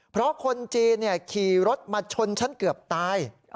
เพราะคนจีนขี่รถมาชนฉันเกือบตาย